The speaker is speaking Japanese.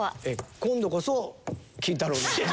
今度こそ金太郎の。